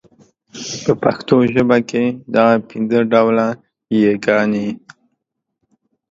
په پښتو ژبه کي دغه پنځه ډوله يې ګاني